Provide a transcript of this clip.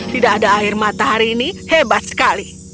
tidak ada air matahari ini hebat sekali